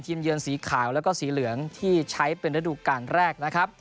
เยือนสีขาวแล้วก็สีเหลืองที่ใช้เป็นฤดูการแรกนะครับ